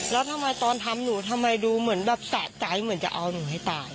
แล้วทำไมตอนทำหนูทำไมดูเหมือนแบบสะใจเหมือนจะเอาหนูให้ตาย